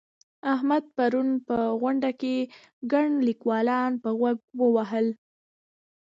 احمد پرون په غونډه کې ګڼ ليکوالان په غوږ ووهل.